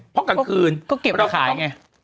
ก็เก็บมาขายไง